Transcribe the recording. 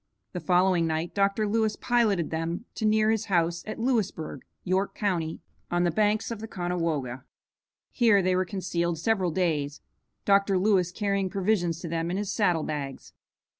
The following night Dr. Lewis piloted them to near his house, at Lewisburg, York county, on the banks of the Conewago. Here they were concealed several days, Dr. Lewis carrying provisions to them in his saddle bags.